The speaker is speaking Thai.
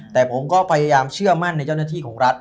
แต่ผมก็พยายามเชื่อมั่นในเจ้าหน้าที่ของรัฐ